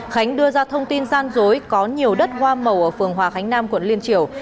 khánh đưa ra thông tin gian dối có nhiều đất hoa màu ở phường hòa khánh nam quận liên triều